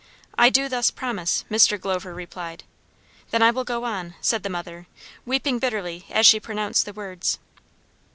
"I do thus promise," Mr. Glover replied. "Then I will go on," said the mother, weeping bitterly as she pronounced the words.